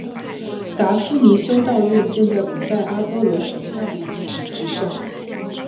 达夫尼修道院建在古代阿波罗神庙的遗址之上。